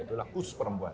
itulah kursus perempuan